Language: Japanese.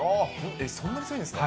そんな強いんですか？